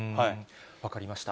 分かりました。